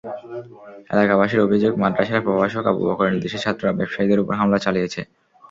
এলাকাবাসীর অভিযোগ, মাদ্রাসার প্রভাষক আবু বকরের নির্দেশে ছাত্ররা ব্যবসায়ীদের ওপর হামলা চালিয়েছে।